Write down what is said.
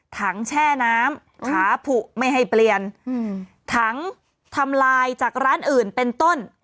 แช่น้ำขาผุไม่ให้เปลี่ยนถังทำลายจากร้านอื่นเป็นต้น